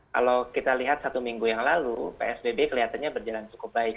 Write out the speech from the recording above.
kalau kita lihat satu minggu yang lalu psbb kelihatannya berjalan cukup baik